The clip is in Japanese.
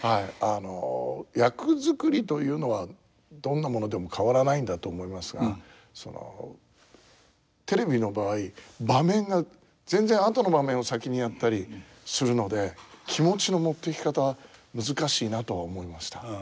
あの役作りというのはどんなものでも変わらないんだと思いますがそのテレビの場合場面が全然後の場面を先にやったりするので気持ちの持っていき方難しいなとは思いました。